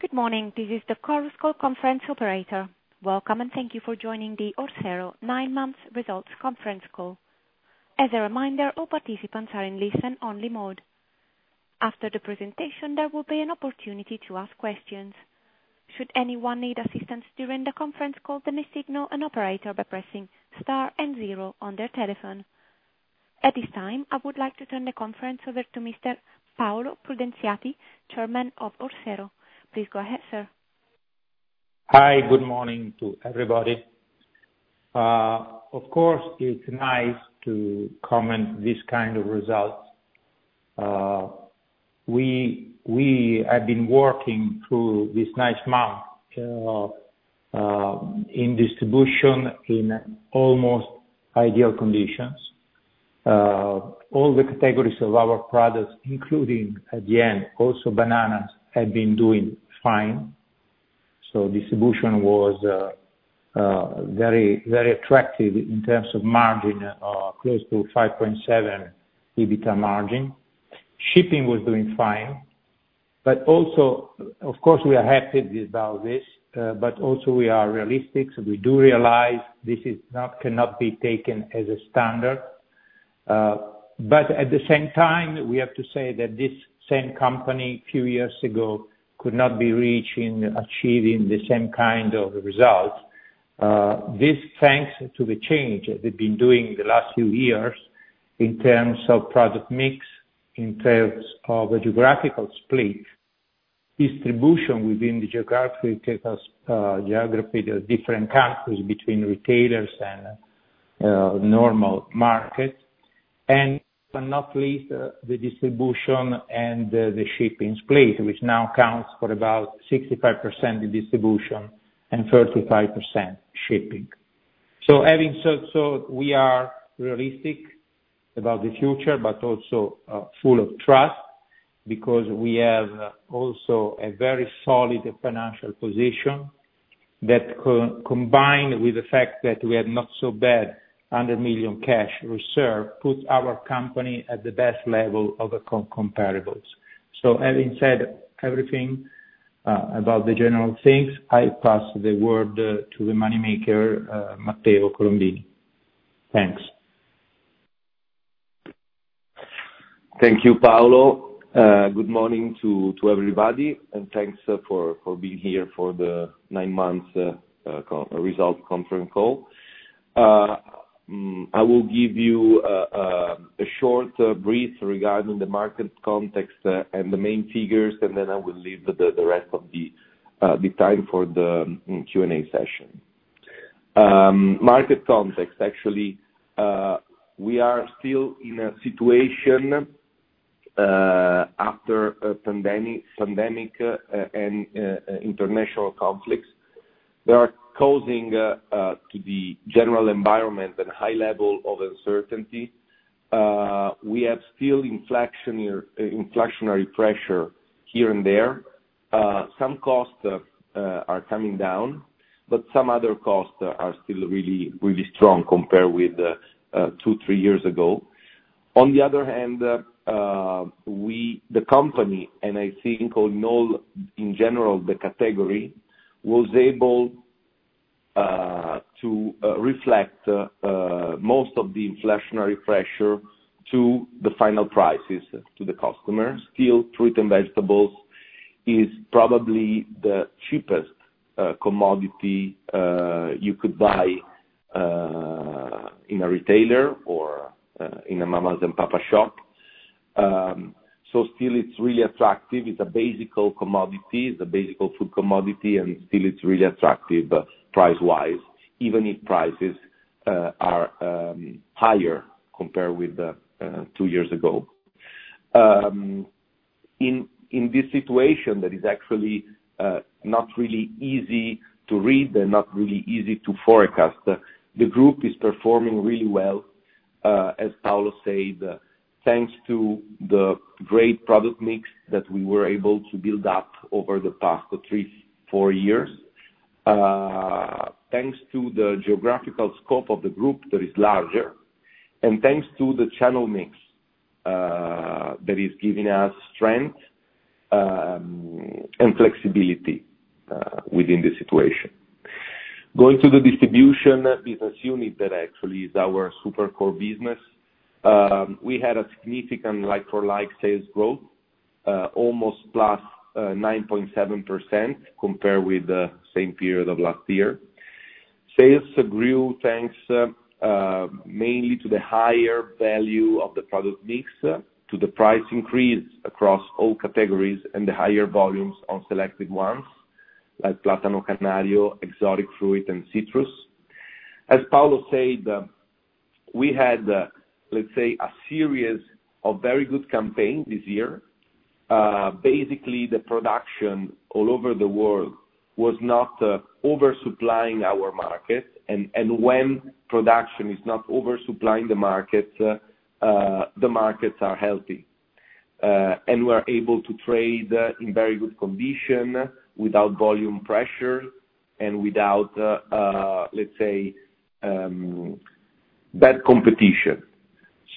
Good morning, this is the Chorus Call Conference Operator. Welcome, and thank you for joining the Orsero nine months results conference call. As a reminder, all participants are in listen-only mode. After the presentation, there will be an opportunity to ask questions. Should anyone need assistance during the conference call, then they signal an operator by pressing star and zero on their telephone. At this time, I would like to turn the conference over to Mr. Paolo Prudenziati, Chairman of Orsero. Please go ahead, sir. Hi, good morning to everybody. Of course, it's nice to comment this kind of results. We have been working through this nice month in distribution in almost ideal conditions. All the categories of our products, including at the end also bananas, have been doing fine. So distribution was very, very attractive in terms of margin, close to 5.7 EBITDA margin. Shipping was doing fine, but also, of course, we are happy about this, but also we are realistic, so we do realize this cannot be taken as a standard. But at the same time, we have to say that this same company, few years ago, could not be achieving the same kind of results. This, thanks to the change that we've been doing the last few years in terms of product mix, in terms of the geographical split, distribution within the geographic geography, the different countries between retailers and normal markets, and not least, the distribution and the shipping split, which now accounts for about 65% of the distribution and 35% shipping. So having said so, we are realistic about the future, but also full of trust because we have also a very solid financial position that combined with the fact that we have not so bad 100 million cash reserve, puts our company at the best level of the comparables. So having said everything about the general things, I pass the word to the money maker, Matteo Colombini. Thanks. Thank you, Paolo. Good morning to everybody, and thanks for being here for the nine months results conference call. I will give you a short brief regarding the market context and the main figures, and then I will leave the rest of the time for the Q&A session. Market context, actually, we are still in a situation after a pandemic and international conflicts that are causing to the general environment and high level of uncertainty. We have still inflationary pressure here and there. Some costs are coming down, but some other costs are still really, really strong compared with 2-3 years ago. On the other hand, we... the company, and I think in all, in general, the category, was able to reflect most of the inflationary pressure to the final prices to the customers. Still, fruit and vegetables is probably the cheapest commodity you could buy in a retailer or in a mom-and-pop shop. So still it's really attractive. It's a basic commodity, it's a basic food commodity, and still it's really attractive price-wise, even if prices are higher compared with two years ago. In this situation, that is actually not really easy to read and not really easy to forecast, the group is performing really well, as Paolo said, thanks to the great product mix that we were able to build up over the past 3-4 years. Thanks to the geographical scope of the group that is larger, and thanks to the channel mix, that is giving us strength, and flexibility, within the situation. Going to the distribution business unit, that actually is our super core business, we had a significant like-for-like sales growth, almost +9.7% compared with the same period of last year. Sales grew, thanks, mainly to the higher value of the product mix, to the price increase across all categories, and the higher volumes on selected ones, like Plátano Canary, exotic fruit, and citrus. As Paolo said, we had, let's say, a series of very good campaigns this year. Basically, the production all over the world was not oversupplying our market, and when production is not oversupplying the market, the markets are healthy. And we're able to trade in very good condition without volume pressure and without, let's say, bad competition.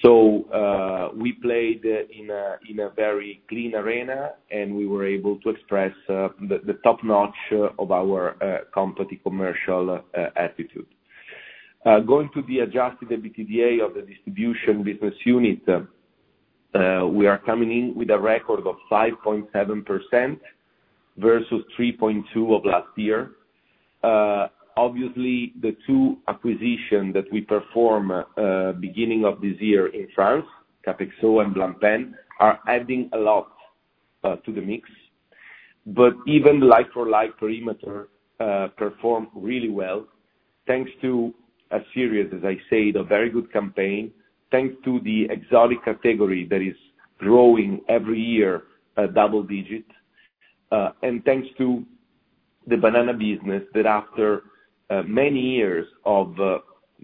So, we played in a very clean arena, and we were able to express the top-notch of our company commercial aptitude. Going to the adjusted EBITDA of the distribution business unit, we are coming in with a record of 5.7% versus 3.2% of last year. Obviously, the two acquisition that we perform beginning of this year in France, Capexo and Blampin, are adding a lot to the mix. But even like-for-like perimeter perform really well, thanks to a series, as I said, a very good campaign, thanks to the exotic category that is growing every year double-digit, and thanks to the banana business, that after many years of,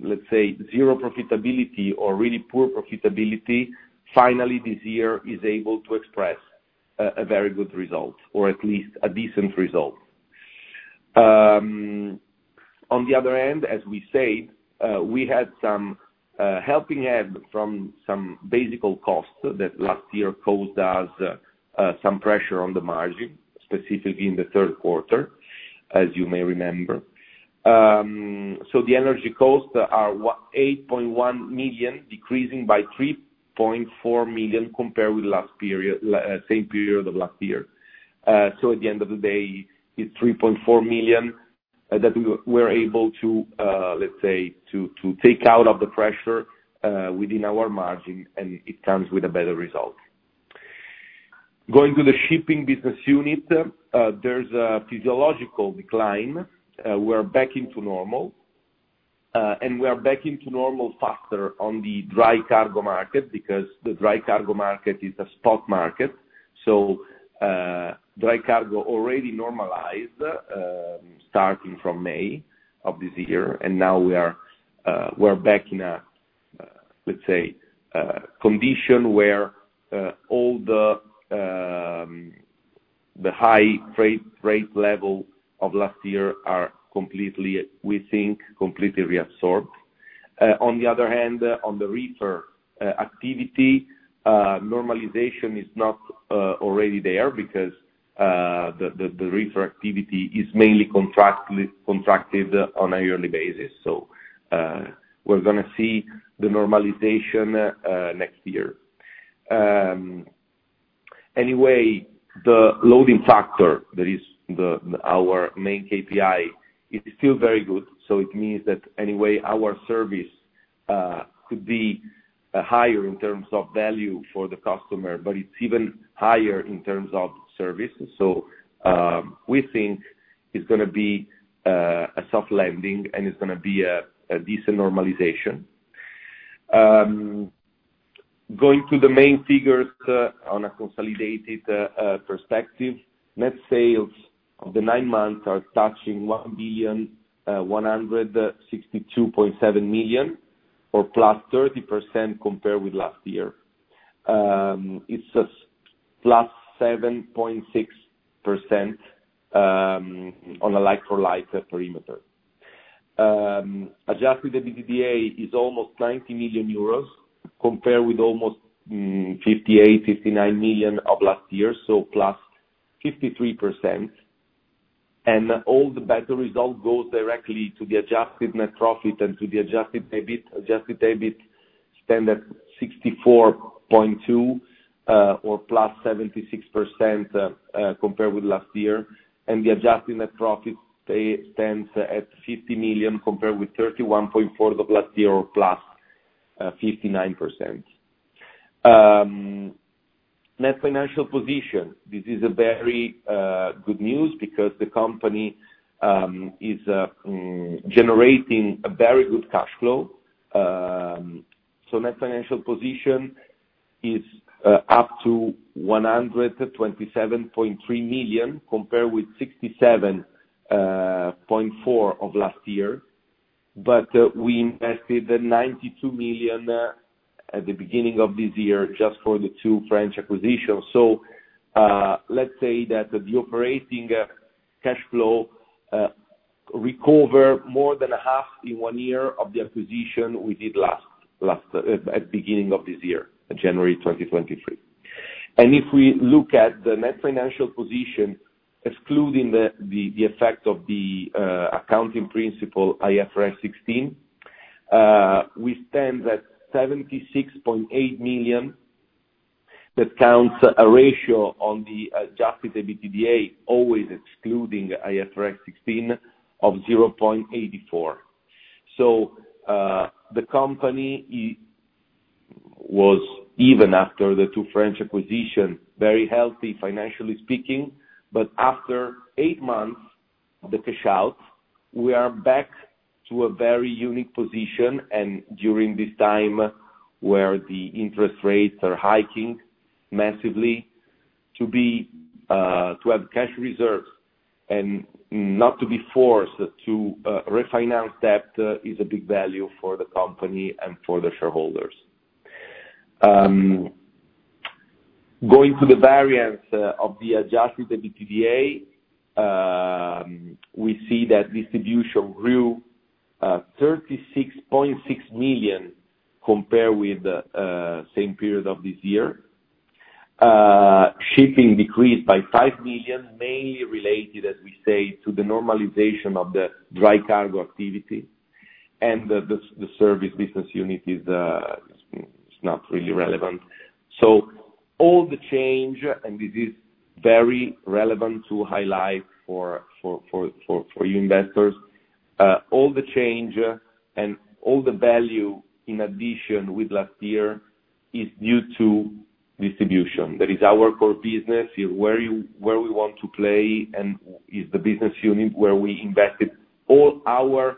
let's say, zero profitability or really poor profitability, finally this year is able to express a very good result, or at least a decent result. On the other end, as we said, we had some helping hand from some basic costs that last year caused us some pressure on the margin, specifically in the third quarter, as you may remember. So the energy costs were 8.1 million, decreasing by 3.4 million compared with last period, same period of last year. So at the end of the day, it's 3.4 million that we, we're able to, let's say, to take out of the pressure within our margin, and it comes with a better result. Going to the shipping business unit, there's a physiological decline. We're back into normal, and we are back into normal faster on the dry cargo market, because the dry cargo market is a spot market. So, dry cargo already normalized starting from May of this year, and now we are, we're back in a, let's say, a condition where all the, the high trade rate level of last year are completely, we think, completely reabsorbed. On the other hand, on the reefer activity, normalization is not already there because the reefer activity is mainly contracted on a yearly basis. So, we're gonna see the normalization next year. Anyway, the loading factor, that is our main KPI, is still very good, so it means that anyway, our service could be higher in terms of value for the customer, but it's even higher in terms of service. So, we think it's gonna be a soft landing, and it's gonna be a decent normalization. Going to the main figures, on a consolidated perspective, net sales of the nine months are touching 1,162.7 million, or +30% compared with last year. It's plus 7.6%, on a like-for-like perimeter. Adjusted EBITDA is almost 90 million euros, compared with almost 58-59 million of last year, so +53%. And all the better result goes directly to the adjusted net profit and to the adjusted EBIT. Adjusted EBIT stand at 64.2, or +76%, compared with last year, and the adjusted net profit pay, stands at 50 million, compared with 31.4 of last year, or +59%. Net financial position, this is a very good news because the company is generating a very good cash flow. So net financial position is up to 127.3 million, compared with 67.4 of last year. But we invested 92 million at the beginning of this year, just for the two French acquisitions. So let's say that the operating cash flow recover more than a half in one year of the acquisition we did last at beginning of this year, January 2023. And if we look at the net financial position, excluding the effect of the accounting principle, IFRS 16, we stand at 76.8 million. That counts a ratio on the adjusted EBITDA, always excluding IFRS 16, of 0.84. So the company was, even after the two French acquisition, very healthy, financially speaking. But after eight months, the cash out, we are back to a very unique position, and during this time, where the interest rates are hiking massively, to be to have cash reserves and not to be forced to refinance that is a big value for the company and for the shareholders. Going to the variance of the adjusted EBITDA, we see that distribution grew 36.6 million compared with the same period of this year. Shipping decreased by 5 million, mainly related, as we say, to the normalization of the dry cargo activity, and the service business unit is not really relevant. So all the change, and this is very relevant to highlight for you investors, all the change and all the value in addition with last year is due to distribution. That is our core business, is where we want to play and is the business unit where we invested all our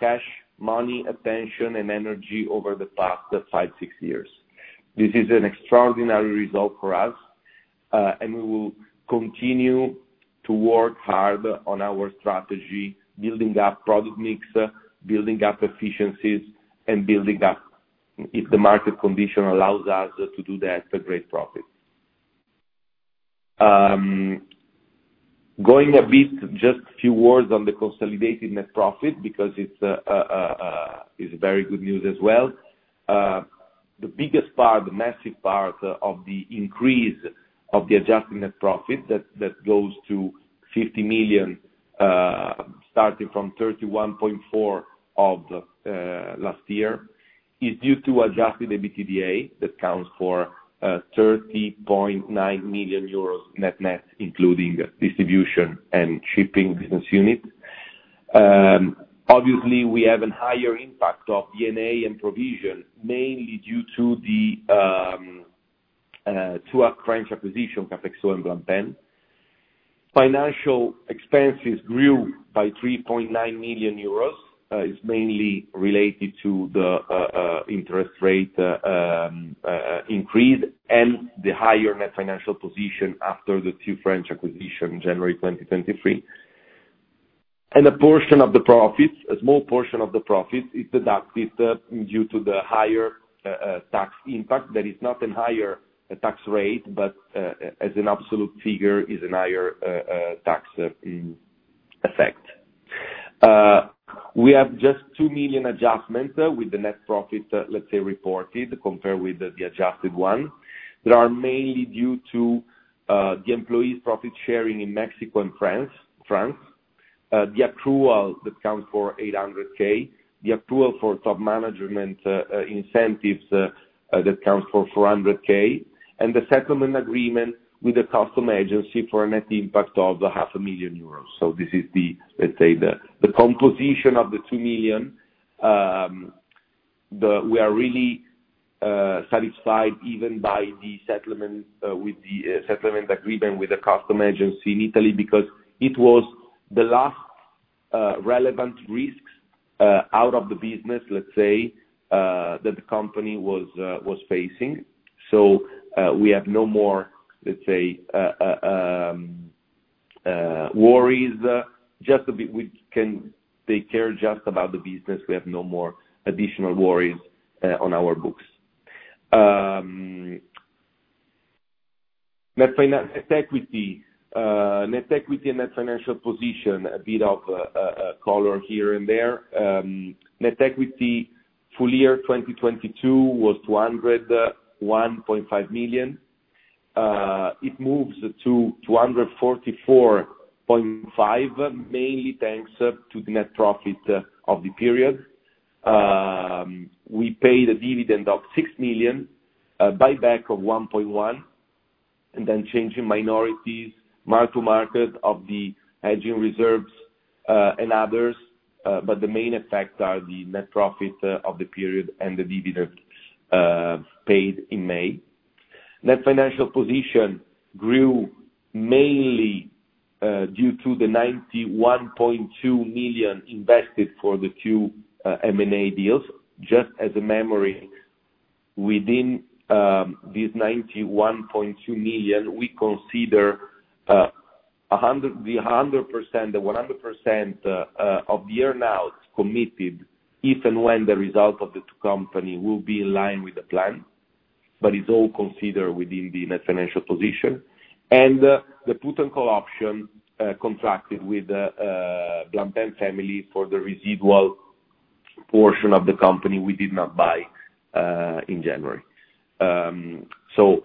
cash, money, attention, and energy over the past 5, 6 years. This is an extraordinary result for us, and we will continue to work hard on our strategy, building up product mix, building up efficiencies, and building up, if the market condition allows us to do that, a great profit. Going a bit, just a few words on the consolidated net profit, because it's very good news as well. The biggest part, the massive part of the increase of the adjusted net profit, that, that goes to 50 million, starting from 31.4 million of last year, is due to adjusted EBITDA. That accounts for 30.9 million euros net, net, including distribution and shipping business units. Obviously, we have a higher impact of D&A and provision, mainly due to the, to our French acquisition, Capexo and Blampin. Financial expenses grew by 3.9 million euros, is mainly related to the, interest rate, increase and the higher net financial position after the two French acquisition, January 2023. And a portion of the profits, a small portion of the profits, is deducted due to the higher, tax impact. That is not a higher tax rate, but, as an absolute figure, is a higher, tax, effect. We have just 2 million adjustments with the net profit, let's say, reported, compared with the adjusted one, that are mainly due to, the employees' profit sharing in Mexico and France, France. The accrual that accounts for 800,000, the accrual for top management, incentives, that accounts for 400,000, and the settlement agreement with the Customs Agency for a net impact of 500,000 euros. So this is the, let's say, the, the composition of the 2 million. We are really satisfied even by the settlement with the settlement agreement with the custom agency in Italy, because it was the last relevant risks out of the business, let's say, that the company was facing. So, we have no more, let's say, worries. We can take care just about the business. We have no more additional worries on our books. Net equity and net financial position, a bit of color here and there. Net equity, full year 2022 was 201.5 million. It moves to 244.5 million, mainly thanks to the net profit of the period. We paid a dividend of 6 million, buyback of 1.1 million, and then change in minorities, mark to market of the hedging reserves, and others, but the main effects are the net profit of the period and the dividend paid in May. Net financial position grew mainly due to the 91.2 million invested for the 2 M&A deals. Just as a memory, within this 91.2 million, we consider 100% of the earn-outs committed, if and when the result of the two company will be in line with the plan, but it's all considered within the net financial position. And the put and call option contracted with the Blampin family for the residual portion of the company we did not buy in January. So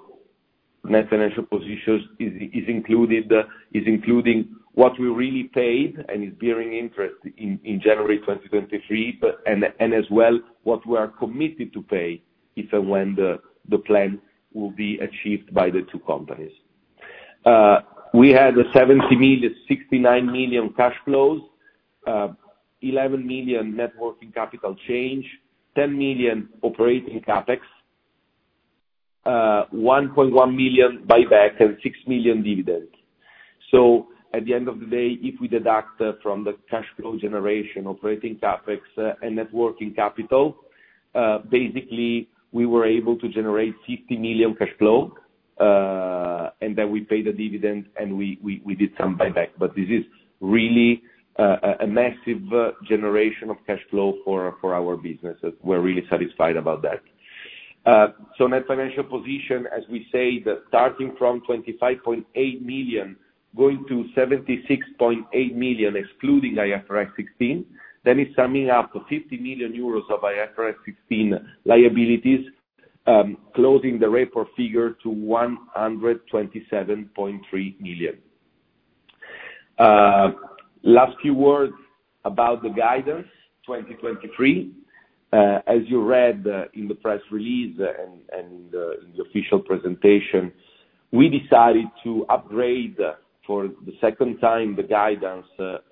net financial position is including what we really paid and is bearing interest in January 2023, but and as well, what we are committed to pay, if and when the plan will be achieved by the two companies. We had 70 million, 69 million cash flows, 11 million net working capital change, 10 million operating CapEx, 1.1 million buyback, and 6 million dividend. So at the end of the day, if we deduct from the cash flow generation, operating CapEx and net working capital, basically, we were able to generate 50 million cash flow. And then we paid the dividend, and we did some buyback. But this is really a massive generation of cash flow for our business. We're really satisfied about that. So net financial position, as we say, that starting from 25.8 million, going to 76.8 million, excluding IFRS 16, then it's summing up to 50 million euros of IFRS 16 liabilities, closing the net figure to 127.3 million. Last few words about the guidance, 2023. As you read in the press release and in the official presentation, we decided to upgrade for the second time, the guidance,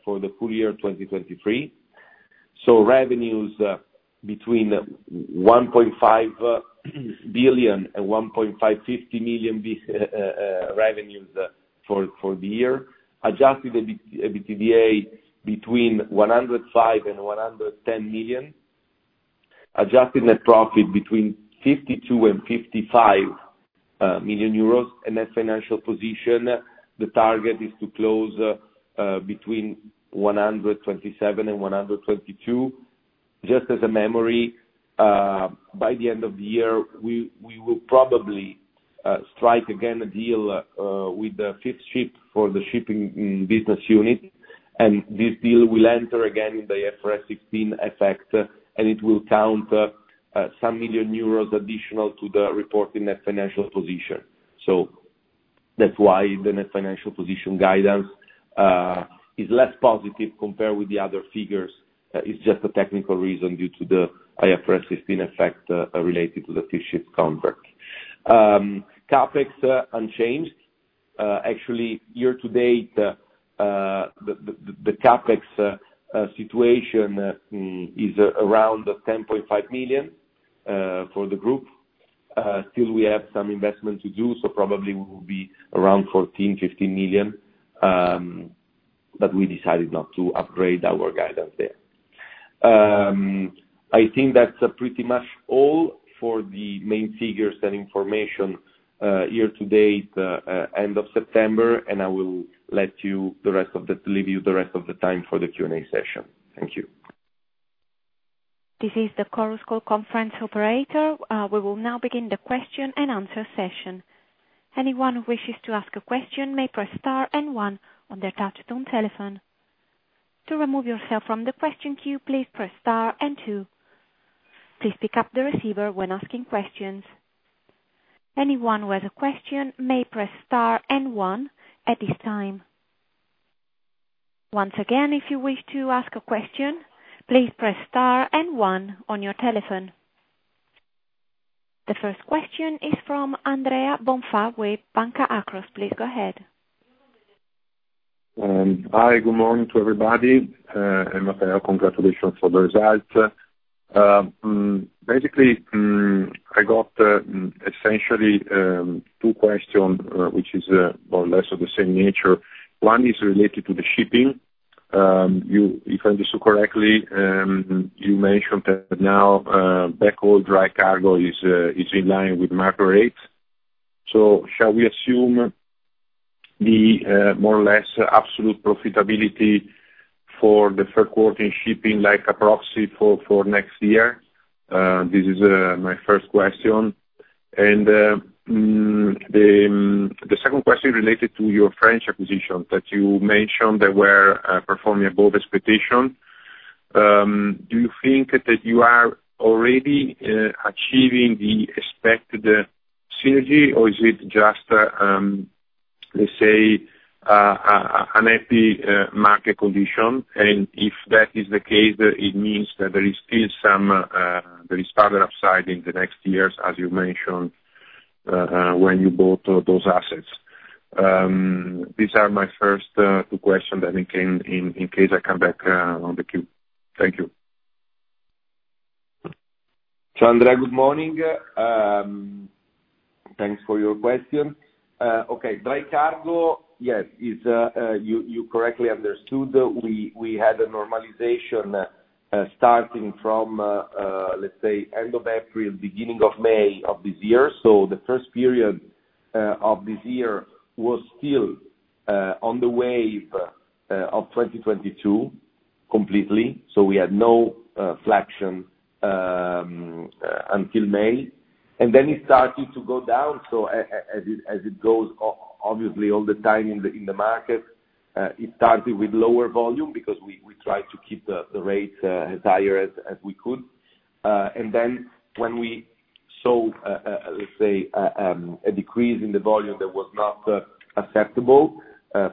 for the full year, 2023. So revenues between 1.5 billion and 1.550 billion for the year. Adjusted EBITDA between 105 million and 110 million. Adjusted net profit between 52 million and 55 million euros. Net financial position, the target is to close between 127 million and 122 million. Just as a memory, by the end of the year, we will probably strike again a deal with the fifth ship for the shipping business unit. This deal will enter again in the IFRS 16 effect, and it will count some million EUR additional to the report in the financial position. So that's why the net financial position guidance is less positive compared with the other figures. It's just a technical reason due to the IFRS 16 effect related to the fifth ship contract. CapEx unchanged. Actually, year to date, the CapEx situation is around 10.5 million for the group. Still we have some investment to do, so probably we will be around 14-15 million, but we decided not to upgrade our guidance there. I think that's pretty much all for the main figures and information, year to date, end of September, and I will leave you the rest of the time for the Q&A session. Thank you. This is the Chorus Call conference operator. We will now begin the question and answer session. Anyone who wishes to ask a question may press star and one on their touch tone telephone. To remove yourself from the question queue, please press star and two. Please pick up the receiver when asking questions. Anyone with a question may press star and one at this time. Once again, if you wish to ask a question, please press star and one on your telephone. The first question is from Andrea Bonfà with Banca Akros. Please go ahead. Hi, good morning to everybody, and Matteo, congratulations for the results. Basically, I got essentially two questions, which is more or less of the same nature. One is related to the shipping. You, if I understood correctly, you mentioned that now backhaul dry cargo is in line with market rates. So shall we assume the more or less absolute profitability for the third quarter in shipping, like a proxy for next year? This is my first question. The second question related to your French acquisition that you mentioned that were performing above expectation. Do you think that you are already achieving the expected synergy, or is it just let's say an empty market condition? And if that is the case, it means that there is still some, there is further upside in the next years, as you mentioned, when you bought those assets. These are my first two questions, and in case I come back on the queue. Thank you. So Andrea, good morning. Thanks for your question. Okay. Dry cargo, yes, is you correctly understood. We had a normalization starting from, let's say, end of April, beginning of May, of this year. So the first period of this year was still on the wave of 2022 completely, so we had no flexion until May. And then it started to go down, so as it goes, obviously, all the time in the market, it started with lower volume because we tried to keep the rate as higher as we could. And then when we saw, let's say, a decrease in the volume that was not acceptable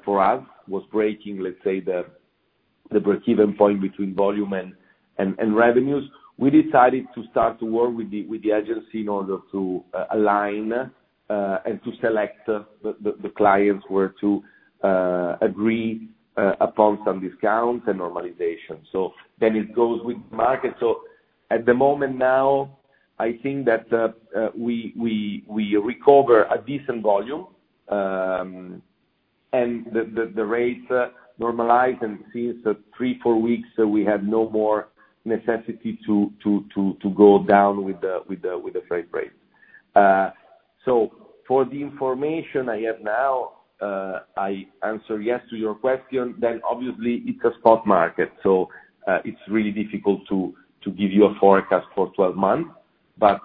for us, was breaking, let's say, the break-even point between volume and revenues, we decided to start to work with the agency in order to align and to select the clients were to agree upon some discounts and normalization. So then it goes with market. So at the moment now, I think that we recover a decent volume and the rates normalize, and since 3-4 weeks, we have no more necessity to go down with the freight rates. So for the information I have now, I answer yes to your question, then obviously it's a spot market, so, it's really difficult to give you a forecast for 12 months. But,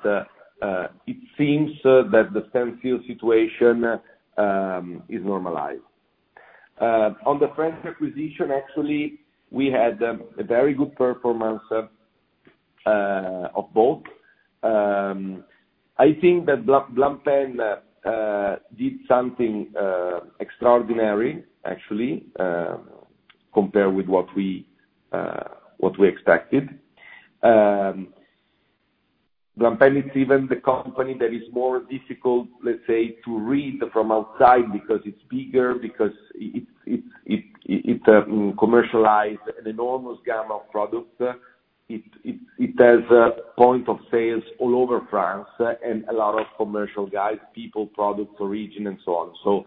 it seems that the Stanfield situation is normalized. On the French acquisition, actually, we had a very good performance of both. I think that Blampin did something extraordinary, actually, compared with what we expected. Blampin is even the company that is more difficult, let's say, to read from outside because it's bigger, because it's commercialize an enormous gamma of products. It has a point of sales all over France and a lot of commercial guys, people, products, region, and so on. So,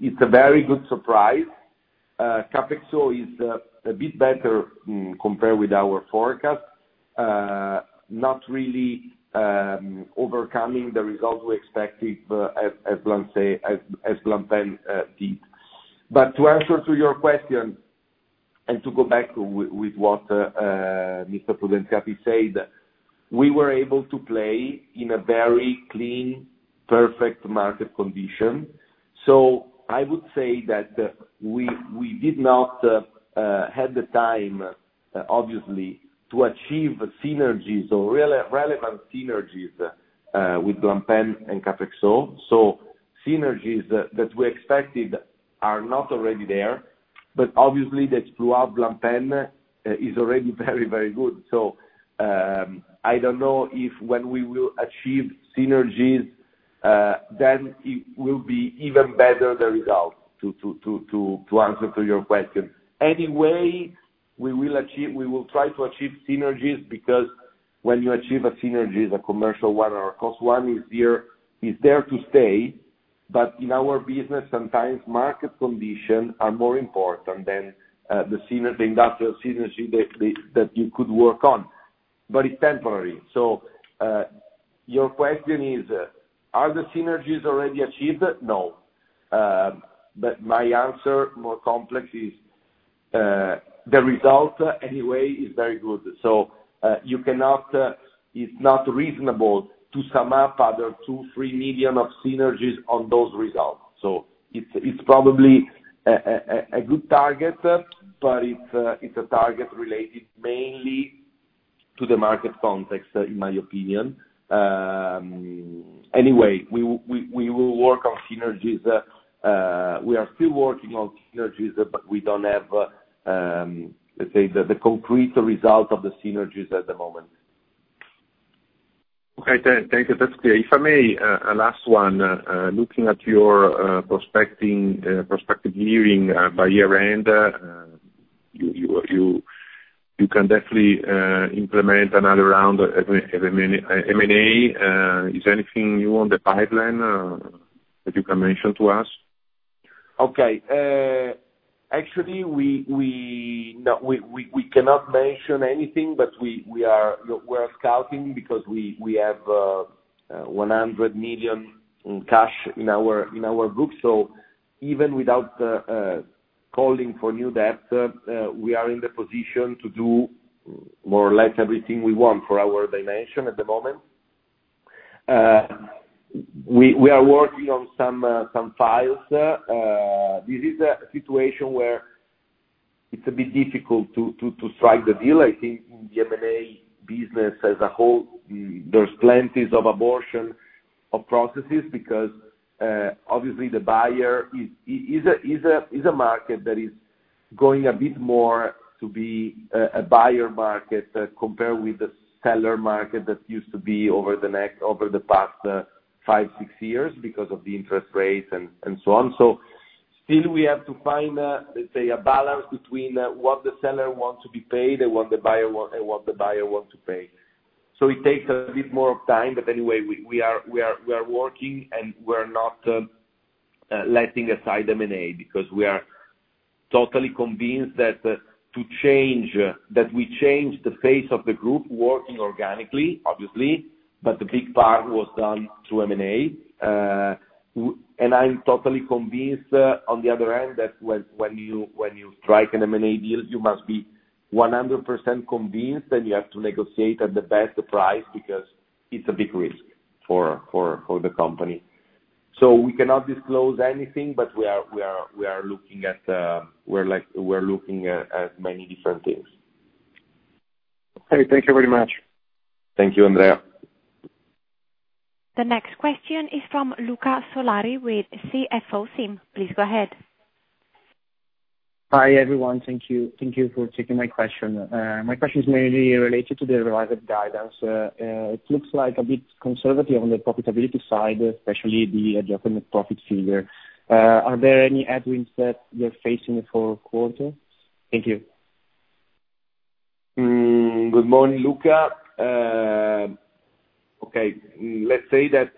it's a very good surprise. Capexo is a bit better compared with our forecast. Not really overcoming the results we expected as Blampin did. But to answer to your question, and to go back with what Mr. Prudenziati said, we were able to play in a very clean, perfect market condition. So I would say that we did not have the time, obviously, to achieve synergies or relevant synergies with Blampin and Capexo. So synergies that we expected are not already there, but obviously, the throughput Blampin is already very, very good. So I don't know if when we will achieve synergies, then it will be even better, the result, to answer to your question. Anyway, we will achieve -- we will try to achieve synergies because when you achieve a synergy, a commercial one or a cost one, is there to stay, but in our business, sometimes market conditions are more important than the industrial synergy that you could work on, but it's temporary. So, your question is, are the synergies already achieved? No. But my answer, more complex, is the result anyway is very good. So, you cannot, it's not reasonable to sum up other 2-3 million of synergies on those results. So it's probably a good target, but it's a target related mainly to the market context, in my opinion. Anyway, we will work on synergies. We are still working on synergies, but we don't have, let's say, the, the concrete result of the synergies at the moment. Okay, thank you. That's clear. If I may, a last one. Looking at your prospective viewing by year-end, you can definitely implement another round of M&A. Is anything new on the pipeline that you can mention to us? Okay. Actually, we cannot mention anything, but we are scouting because we have 100 million in cash in our group. So even without calling for new debt, we are in the position to do more or less everything we want for our dimension at the moment. We are working on some files. This is a situation where it's a bit difficult to strike the deal. I think in the M&A business as a whole, there's plenty of abortion of processes, because obviously, the buyer is a market that is going a bit more to be a buyer market compared with the seller market that used to be over the past five, six years because of the interest rates and so on. So still we have to find, let's say, a balance between what the seller wants to be paid and what the buyer want, and what the buyer want to pay. So it takes a bit more of time, but anyway, we are working, and we're not letting aside M&A, because we are totally convinced that to change that we changed the face of the group working organically, obviously, but the big part was done through M&A. And I'm totally convinced, on the other hand, that when you strike an M&A deal, you must be 100% convinced, and you have to negotiate at the best price because it's a big risk for the company. So we cannot disclose anything, but we are looking at, we're like, we're looking at many different things. Okay. Thank you very much. Thank you, Andrea. The next question is from Luca Solari with CFO SIM. Please go ahead. Hi, everyone. Thank you. Thank you for taking my question. My question is mainly related to the revised guidance. It looks like a bit conservative on the profitability side, especially the adjusted profit figure. Are there any headwinds that you're facing in the fourth quarter? Thank you.... Good morning, Luca. Okay, let's say that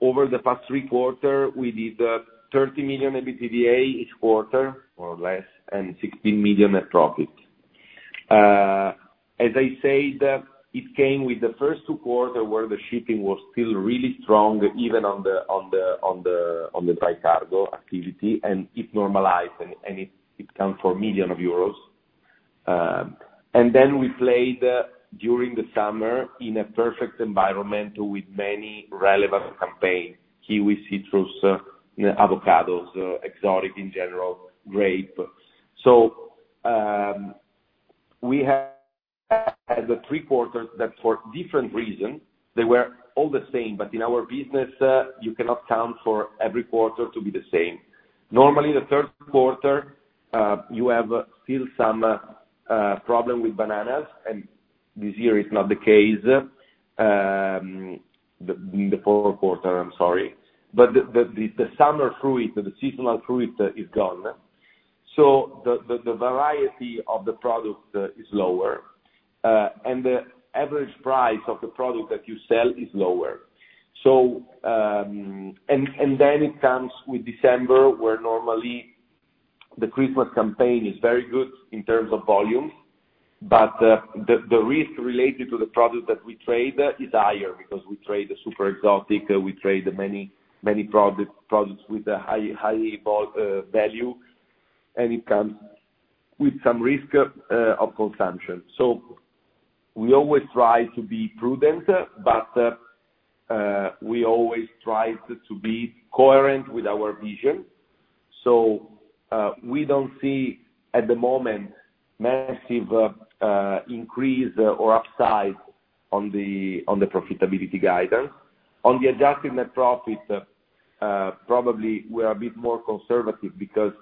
over the past three quarters, we did 30 million EBITDA each quarter, more or less, and 16 million net profit. As I said, it came with the first two quarters, where the shipping was still really strong, even on the dry cargo activity, and it normalized, and it counts for 1 million euros. And then we played during the summer in a perfect environment with many relevant campaigns. Kiwi, citrus, avocados, exotic in general, grape. So, we have the three quarters that for different reasons, they were all the same, but in our business, you cannot count on every quarter to be the same. Normally, the third quarter, you have still some problem with bananas, and this year is not the case. The summer fruit, the seasonal fruit is gone. So the variety of the product is lower, and the average price of the product that you sell is lower. Then it comes with December, where normally the Christmas campaign is very good in terms of volumes, but the risk related to the product that we trade is higher, because we trade super exotic, we trade many products with a high value, and it comes with some risk of consumption. So we always try to be prudent, but we always try to be coherent with our vision. So, we don't see, at the moment, massive increase or upside on the profitability guidance. On the Adjusted Net Profit, probably we're a bit more conservative because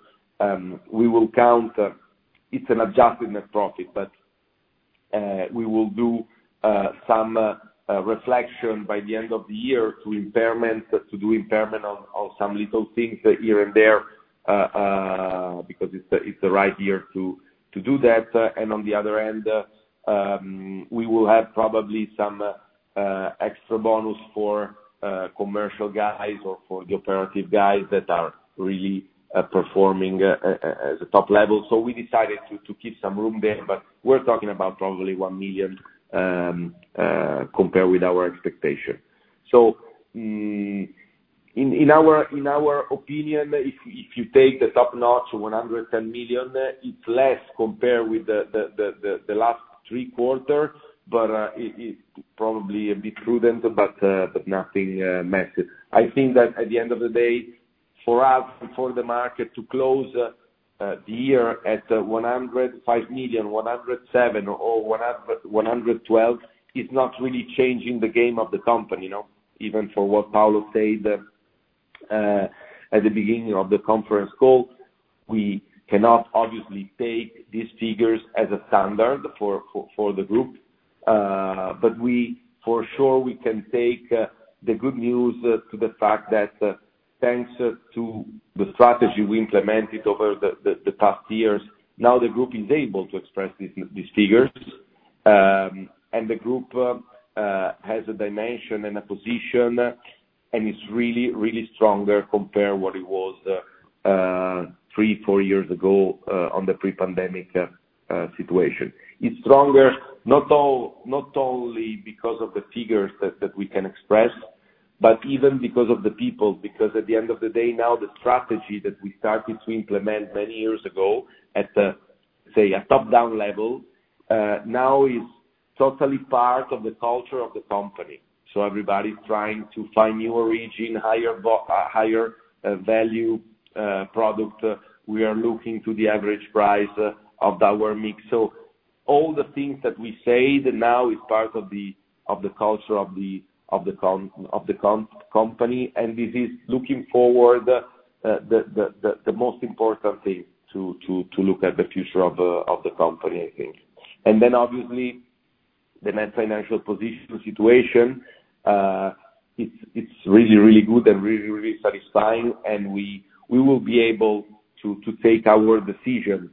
we will count, it's an Adjusted Net Profit, but we will do some reflection by the end of the year to impairment, to do impairment on some little things here and there, because it's the right year to do that. On the other end, we will have probably some extra bonus for commercial guys or for the operative guys that are really performing at the top level. So we decided to keep some room there, but we're talking about probably 1 million compared with our expectation. In our opinion, if you take the top-notch 110 million, it's less compared with the last three quarters, but it probably a bit prudent, but but nothing massive. I think that at the end of the day, for us, for the market to close the year at 105 million, 107 or 112, is not really changing the game of the company, you know? Even for what Paolo said at the beginning of the conference call, we cannot obviously take these figures as a standard for the group. But we, for sure, we can take the good news to the fact that thanks to the strategy we implemented over the past years, now the group is able to express these figures. And the group has a dimension and a position, and it's really, really stronger compared what it was 3, 4 years ago on the pre-pandemic situation. It's stronger, not only because of the figures that we can express, but even because of the people. Because at the end of the day, now the strategy that we started to implement many years ago, at a say a top-down level, now is totally part of the culture of the company. So everybody's trying to find new origin, higher value product. We are looking to the average price of our mix. So all the things that we said now is part of the culture of the company, and this is looking forward, the most important thing to look at the future of the company, I think. And then, obviously, the Net Financial Position situation, it's really, really good and really, really satisfying, and we will be able to take our decision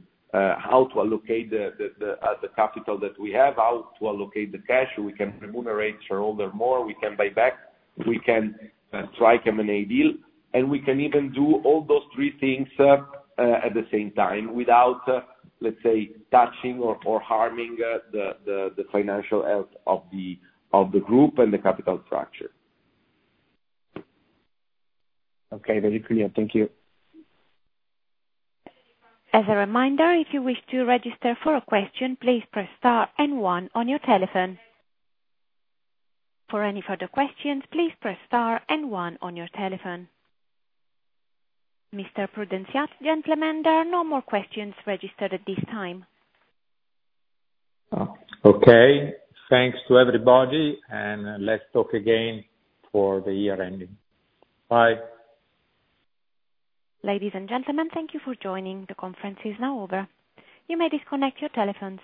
how to allocate the capital that we have, how to allocate the cash. We can remunerate shareholder more, we can buy back, we can strike M&A deal, and we can even do all those three things at the same time without, let's say, touching or harming the financial health of the group and the capital structure. Okay. Very clear. Thank you. As a reminder, if you wish to register for a question, please press star and one on your telephone. For any further questions, please press star and one on your telephone. Mr. Prudenziati, gentlemen, there are no more questions registered at this time. Okay. Thanks to everybody, and let's talk again for the year ending. Bye. Ladies and gentlemen, thank you for joining. The conference is now over. You may disconnect your telephones.